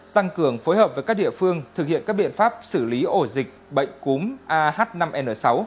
tăng cường phối hợp với các địa phương thực hiện các biện pháp xử lý ổ dịch bệnh cúm ah năm n sáu